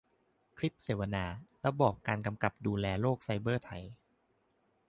คลิปเสวนา : ระบอบการกำกับดูแลโลกไซเบอร์ไทย